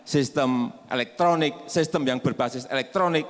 sistem elektronik sistem yang berbasis elektronik